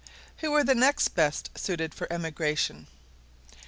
"Who are the next best suited for emigration?"